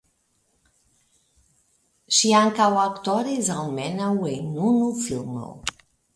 Ŝi ankaŭ aktoris almenaŭ en unu filmo.